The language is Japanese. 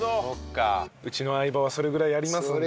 うちの相葉はそれぐらいやりますんで。